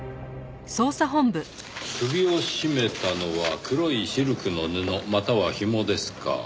首を絞めたのは黒いシルクの布または紐ですか。